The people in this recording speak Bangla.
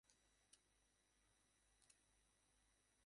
তার পিতা অ্যান্ড্রু হান্টার উৎপাদন শিল্পের সাথে জড়িত ছিলেন।